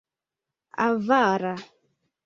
Avara.